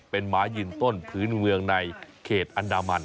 เป็นไม้ยืนต้นพื้นเมืองในเขตอันดามัน